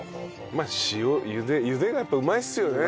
まあ塩ゆでがやっぱうまいですよね。